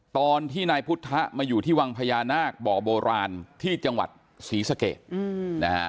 ตอนที่นายพุทธมาอยู่ที่วังพญานาคบ่อโบราณที่จังหวัดศรีสะเกดนะฮะ